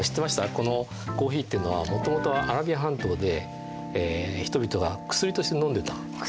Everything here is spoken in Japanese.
このコーヒーっていうのはもともとはアラビア半島で人々が薬として飲んでたんですよ。